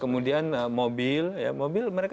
kemudian mobil ya mobil mobil mereka